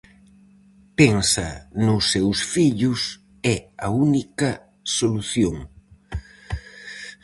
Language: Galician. Pensa nos seus fillos, é a única solución.